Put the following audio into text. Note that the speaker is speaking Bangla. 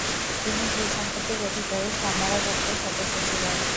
তিনি ভূসম্পত্তির অধিকারী সামারা গোত্রের সদস্য ছিলেন।